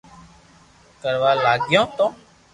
ڪروا لاگيو